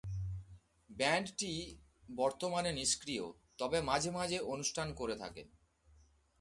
ব্যান্ডটি বর্তমানে নিষ্ক্রিয়, তবে মাঝে মাঝে অনুষ্ঠান করে থাকে।